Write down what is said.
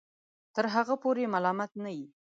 تر هغه پورې ملامت نه یې